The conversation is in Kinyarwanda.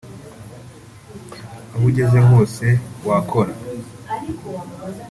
aho ugeze hose wakora